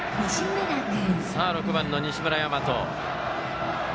６番の西村大和。